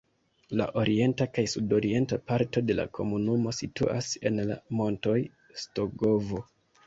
La orienta kaj sudorienta parto de la komunumo situas en la montoj Stogovo.